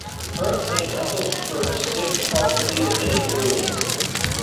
The current Saint Michael's church sits partially within its ruins.